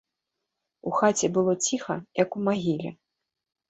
У хаце было ціха, як у магіле.